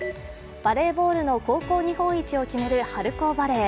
バレーボールの高校日本一を決める春高バレー。